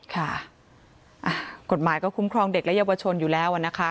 ค่ะกฎหมายก็คุ้มครองเด็กและเยาวชนอยู่แล้วนะคะ